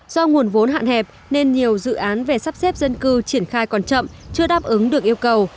do nguồn vốn hạn hẹp nên nhiều dự án về sắp xếp dân cư triển khai còn chậm chưa đáp ứng được yêu cầu